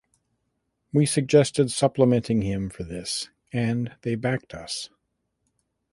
We suggested supplementing him for this and they backed us.